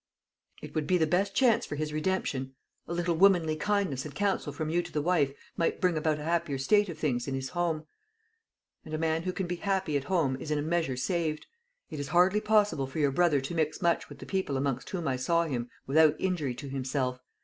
"It would be the best chance for his redemption. A little womanly kindness and counsel from you to the wife might bring about a happier state of things in his home; and a man who can be happy at home is in a measure saved. It is hardly possible for your brother to mix much with the people amongst whom I saw him without injury to himself.